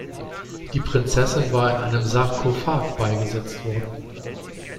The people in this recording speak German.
Die Prinzessin war in einem Sarkophag beigesetzt worden.